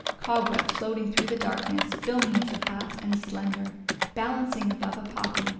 Cobweb, floating through the darkness, filmy as a bat and slender ; Balancing above a poppy.